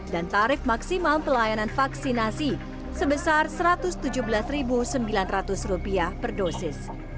dan tarif maksimal pelayanan vaksinasi sebesar rp satu ratus tujuh belas sembilan ratus per dosis